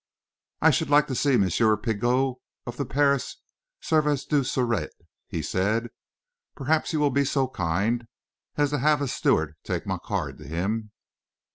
"I should like to see M. Pigot, of the Paris Service du Sûreté" he said. "Perhaps you will be so kind as to have a steward take my card to him?"